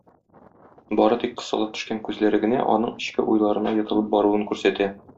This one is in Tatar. Бары тик кысыла төшкән күзләре генә аның эчке уйларына йотылып баруын күрсәтә.